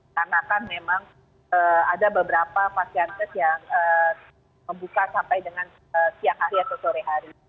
karena kan memang ada beberapa vaksinasi yang membuka sampai dengan siang hari atau sore hari